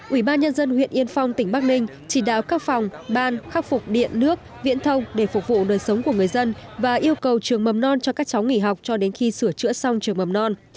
ủy ban nhân dân huyện yên phong tỉnh bắc ninh chỉ đạo các phòng ban khắc phục điện nước viễn thông để phục vụ đời sống của người dân và yêu cầu trường mầm non cho các cháu nghỉ học cho đến khi sửa chữa xong trường mầm non